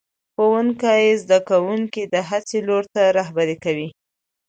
ښوونکی زده کوونکي د هڅې لور ته رهبري کوي